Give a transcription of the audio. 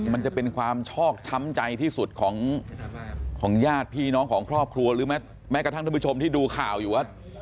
มันจะเป็นความชอบช้ำใจที่สุดของญาติพี่น้องของครอบครัวหรือแม้กระทั่งท่านผู้ชมที่ดูข่าวอยู่ว่า